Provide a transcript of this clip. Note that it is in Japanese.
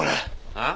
あっ！